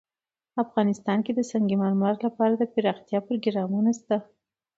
افغانستان کې د سنگ مرمر لپاره دپرمختیا پروګرامونه شته.